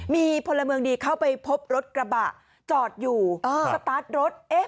มีพลเมืองดีเข้าไปพบรถกระบะจอดอยู่สตาร์ทรถ